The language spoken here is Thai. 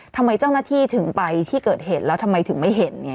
ทำไมเจ้าหน้าที่ถึงไปที่เกิดเหตุแล้วทำไมถึงไม่เห็น